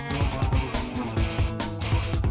tidak ada yang bisa dikunci